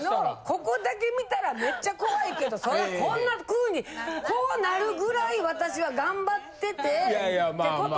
ここだけ見たらめっちゃ怖いけどそらこんなふうにこうなるぐらい私は頑張っててってこと。